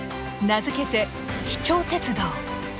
名付けて「秘境鉄道」。